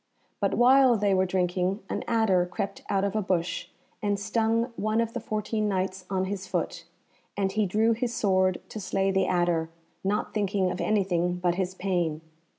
But while they were drinking an adder crept out of a bush, and stung one of the fourteen Knights on his foot, and he drew his sword to slay the adder, not thinking of anything but his pain.